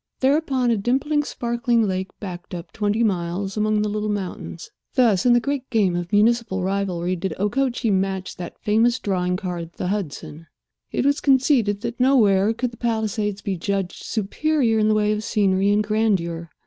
Thereupon, a dimpling, sparkling lake backed up twenty miles among the little mountains. Thus in the great game of municipal rivalry did Okochee match that famous drawing card, the Hudson. It was conceded that nowhere could the Palisades be judged superior in the way of scenery and grandeur.